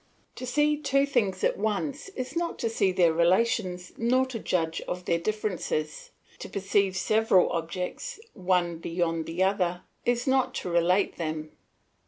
To see two things at once is not to see their relations nor to judge of their differences; to perceive several objects, one beyond the other, is not to relate them.